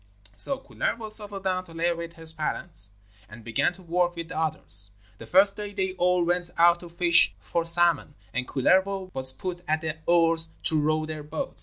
So Kullervo settled down to live with his parents, and began to work with the others. The first day they all went out to fish for salmon, and Kullervo was put at the oars to row their boat.